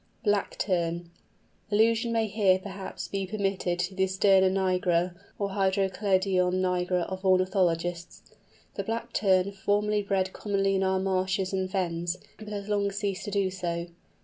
BLACK TERN. Allusion may here, perhaps, be permitted to the Sterna nigra or Hydrochelidon nigra of ornithologists. The Black Tern formerly bred commonly in our marshes and fens, but has long ceased to do so.